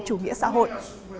chủ nghĩa xã hội